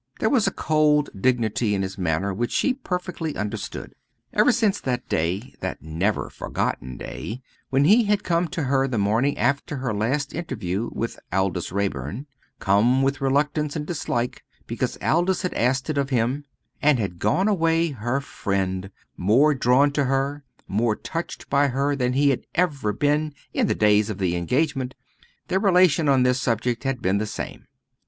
There was a cold dignity in his manner which she perfectly understood. Ever since that day that never forgotten day when he had come to her the morning after her last interview with Aldous Raeburn come with reluctance and dislike, because Aldous had asked it of him and had gone away her friend, more drawn to her, more touched by her than he had ever been in the days of the engagement, their relation on this subject had been the same.